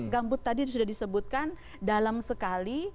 gambut tadi sudah disebutkan dalam sekali